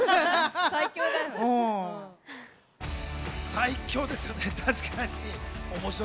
最強ですよね、確かに。